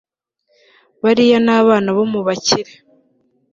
bariya ni abana bo mubakire